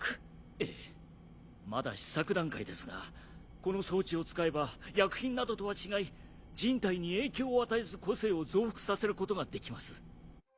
ええまだ試作段階ですがこの装置を使えば薬品などとは違い人体に影響を与えず個性を増幅させることができます。